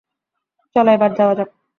চলো, এবার যাওয়া যাক।